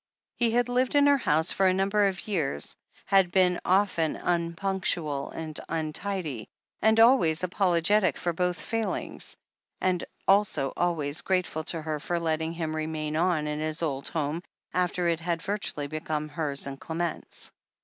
He had lived in her house for a number of years, had been often unpunctual and tmtidy, and always apolo getic for both failings, and also always grateful to her for letting him remain on in his old home after it had virtually become hers and Clement's.